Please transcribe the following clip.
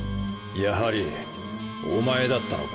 やはりお前だったのか。